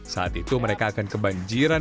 saat itu mereka akan kebanjiran